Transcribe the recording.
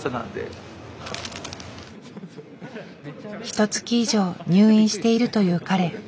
ひとつき以上入院しているという彼。